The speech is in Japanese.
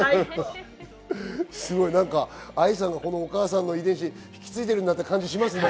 ＡＩさんがこのお母さんの遺伝子、引き継いでいるんだって感じしますね。